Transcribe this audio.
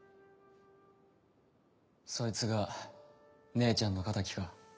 そいつが姉ちゃんの敵か？